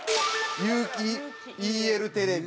有機ＥＬテレビ。